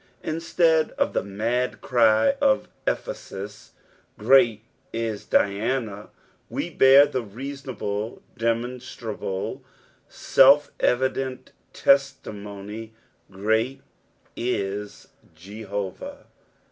Instead of the mad cry of Epheeua, " Great is Diana," we bear the reasonable, demonstrable, self evident testimony, " Great is Jehovah.